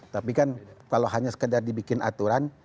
tapi kan kalau hanya sekedar dibikin aturan